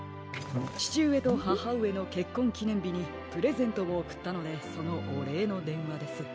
ちちうえとははうえのけっこんきねんびにプレゼントをおくったのでそのおれいのでんわです。